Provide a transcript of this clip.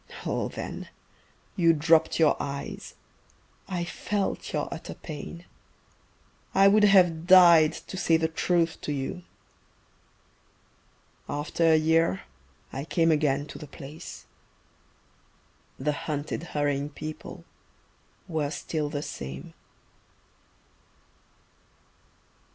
Oh then You dropped your eyes. I felt your utter pain. I would have died to say the truth to you. After a year I came again to the place The hunted hurrying people were still the same....